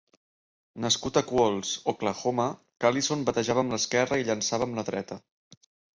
Nascut a Qualls, Oklahoma, Callison batejava amb l'esquerra i llançava amb la dreta.